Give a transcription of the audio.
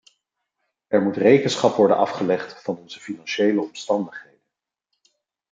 Er moet rekenschap worden afgelegd van onze financiële omstandigheden.